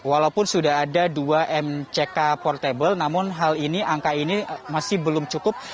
walaupun sudah ada dua mck portable namun hal ini angka ini masih belum cukup